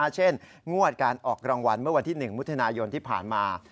เช่นงวดการออกรางวัลเมื่อวันที่๑มิถุนายนที่ผ่านมา